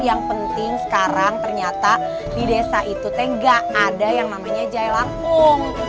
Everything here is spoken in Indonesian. yang penting sekarang ternyata di desa itu t gak ada yang namanya jaylangkung